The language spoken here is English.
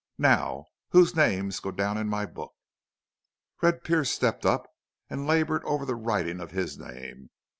Now, whose names go down in my book?" Red Pearce stepped up and labored over the writing of his name.